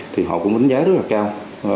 thì họ cũng đánh giá rất là cao